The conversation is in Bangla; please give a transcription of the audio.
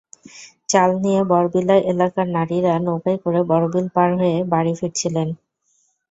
চাল নিয়ে বড়বিলা এলাকার নারীরা নৌকায় করে বড়বিল পার হয়ে বাড়ি ফিরছিলেন।